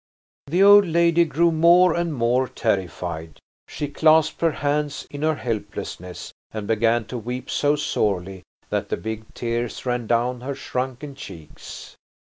The old lady grew more and more terrified. She clasped her hands in her helplessness and began to weep so sorely that the big tears ran down her shrunken cheeks.